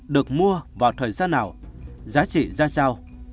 được mua vào thời gian nào giá trị ra sao